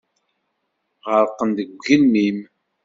Ɣerqen deg ugelmim.